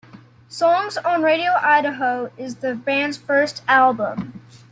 "Songs on Radio Idaho" is the band's first album.